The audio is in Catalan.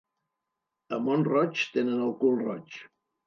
A Mont-roig tenen el cul roig.